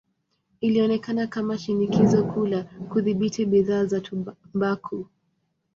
Ilionekana kama shinikizo kuu la kudhibiti bidhaa za tumbaku.